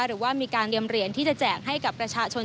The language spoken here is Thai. หรือว่ามีการเตรียมเหรียญที่จะแจกให้กับประชาชน